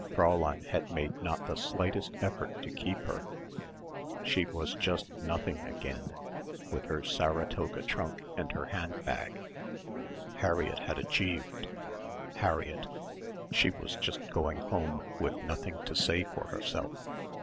Fräulein had made not the slightest effort to keep her. She was just nothing again with her Saratoga trunk and her hand bag. Harriett had achieved. Harriett. She was just going home with nothing to say for herself.